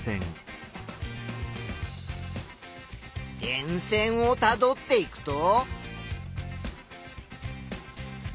電線をたどっていくと。